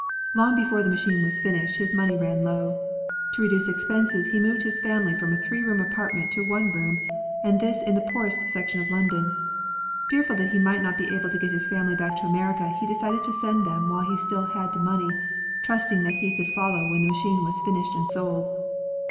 Long before the machine was finished, his money ran low. To reduce expenses, he moved his family from a three room apartment to one room, and this in the poorest section of London. Fearful that he might not be able to get his family back to America, he decided to send them while he. still had the money, trust ing that he could follow when the machine was finished and sold.